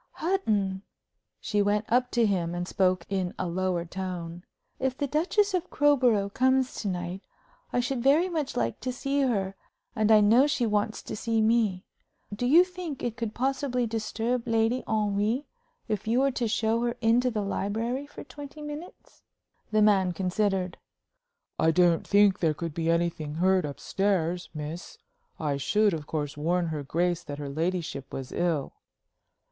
"Hutton!" She went up to him and spoke in a lower tone. "If the Duchess of Crowborough comes to night, I should very much like to see her, and I know she wants to see me. Do you think it could possibly disturb Lady Henry if you were to show her into the library for twenty minutes?" The man considered. "I don't think there could be anything heard up stairs, miss. I should, of course, warn her grace that her ladyship was ill."